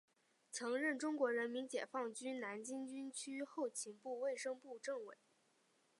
曾任中国人民解放军南京军区后勤部卫生部政委。